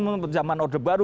menutup jaman order baru